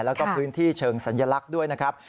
แล้วก็พื้นที่เชิงสัญลักษณ์ด้วยนะครับ